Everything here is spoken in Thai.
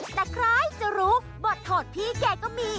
แต่ใครจะรู้บทโทดพี่แกก็มี